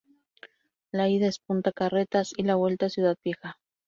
La ida es Punta Carretas y la vuelta Ciudad Vieja.